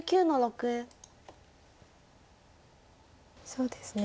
そうですね